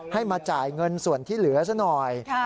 ให้มาจ่ายเงินส่วนที่เหลือซะหน่อย